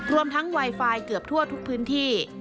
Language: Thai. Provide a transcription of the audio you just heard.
รวมทั้งไวไฟเกือบทั่วทุกพื้นที่